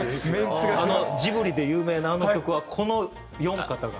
ジブリで有名なあの曲はこの４方が。